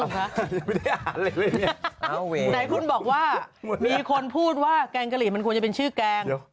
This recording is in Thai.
ไหนคุณบอกว่ามีคนพูดว่าแกงกะหรี่มันควรจะเป็นชื่อแกง